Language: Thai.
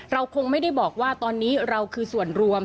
เราคงไม่ได้บอกว่าตอนนี้เราคือส่วนรวม